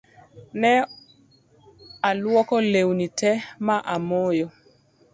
Ne aluoko leuni tee ma amoyo